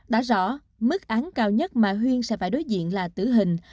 đã rõ mức án cao nhất mà huyên sẽ phải đối diện là tử hình